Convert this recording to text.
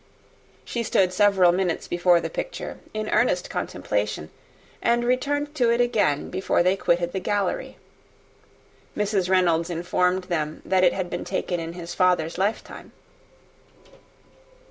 She stood several minutes before the picture, in earnest contemplation, and returned to it again before they quitted the gallery. Mrs. Reynolds informed them, that it had been taken in his father's lifetime.